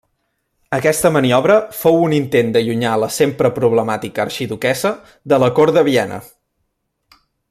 Aquesta maniobra fou un intent d'allunyar la sempre problemàtica arxiduquessa de la Cort de Viena.